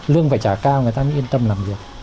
lương phải trả cao người ta mới yên tâm làm việc